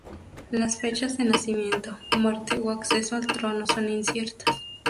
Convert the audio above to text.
Las fechas de nacimiento, muerte o acceso al trono son inciertas.